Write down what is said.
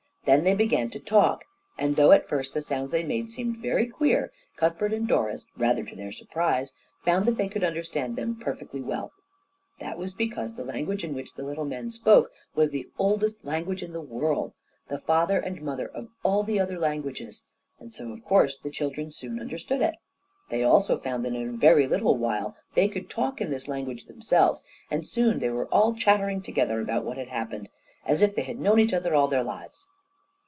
Then they began to talk, and, though at first the sounds that they made seemed very queer, Cuthbert and Doris, rather to their surprise, found that they could understand them perfectly well. That was because the language in which the little men spoke was the oldest language in the world, the father and mother of all the other languages, and so of course the children soon understood it. They also found that in a very little while they could talk in this language themselves, and soon they were all chattering together about what had happened, as if they had known each other all their lives.